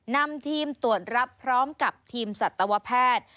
นำทีมตรวจรับพร้อมกับทีมสัตวแพทย์